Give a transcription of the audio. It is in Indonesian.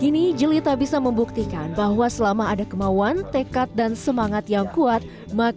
kini jelita bisa membuktikan bahwa selama ada kemauan tekad dan penghidupan maka mereka akan menjaga kemampuan mereka